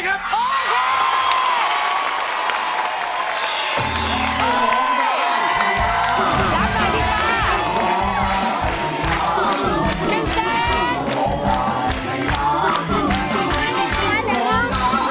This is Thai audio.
เป็นแฟน